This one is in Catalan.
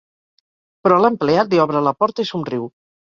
Però l'empleat li obre la porta i somriu.